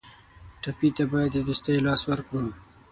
ټپي ته باید د دوستۍ لاس ورکړو.